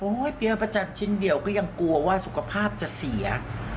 เปี๊ยประจันทร์ชิ้นเดียวก็ยังกลัวว่าสุขภาพจะเสีย